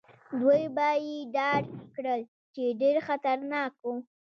دوی به يې ډار کړل، چې ډېر خطرناک وو.